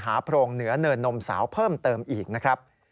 โพรงเหนือเนินนมสาวเพิ่มเติมอีกนะครับ